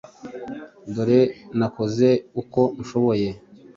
Dore nakoze uko nshoboye